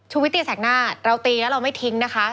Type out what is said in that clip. วิตตีแสกหน้าเราตีแล้วเราไม่ทิ้งนะคะ